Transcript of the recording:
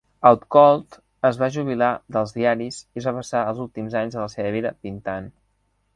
Outcault es va jubilar dels diaris i es va passar els últims anys de la seva vida pintant.